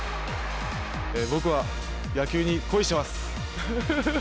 僕は野球に恋してます。